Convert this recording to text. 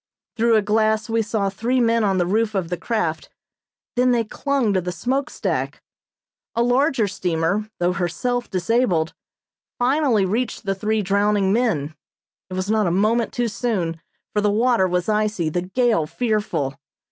Through a glass we saw three men on the roof of the craft then they clung to the smokestack. A larger steamer, though herself disabled, finally reached the three drowning men. It was not a moment too soon, for the water was icy, the gale fearful.